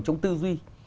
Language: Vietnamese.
trong tư duy